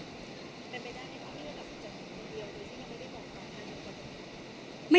มันเป็นไปได้ไหมคะเมื่อเราถึงเยี่ยมหรือที่ยังไม่ได้ต่อมา